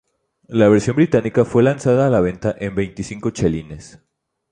La versión británica fue lanzada a la venta en veinticinco chelines.